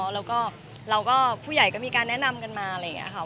แล้วก็เราก็ผู้ใหญ่ก็มีการแนะนำกันมาอะไรอย่างนี้ค่ะ